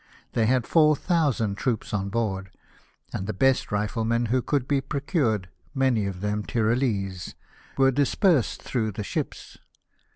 They had four thousand troops on board ; and the best riflemen who could be procured, many of them Tyrolese, were dispersed through the ships.